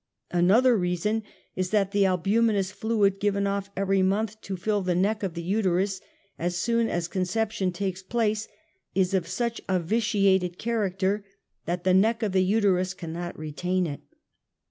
Another reason is that the albuminous fluid given off every month to fill the neck of the uterus as soon as con ception takes place is of such a vitiated character that the neck of the uterus cannot retain it.